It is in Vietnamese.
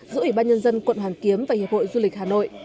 giữa ủy ban nhân dân quận hoàn kiếm và hiệp hội du lịch hà nội